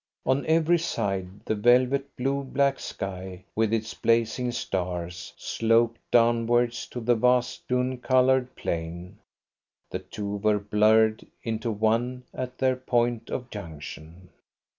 On every side the velvet, blue black sky, with its blazing stars, sloped downwards to the vast, dun coloured plain. The two were blurred into one at their point of junction.